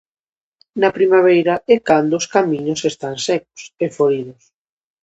Na primavera é cando os camiños están secos e foridos.